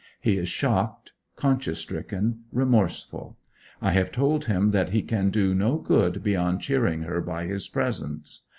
He is shocked, conscience stricken, remorseful. I have told him that he can do no good beyond cheering her by his presence.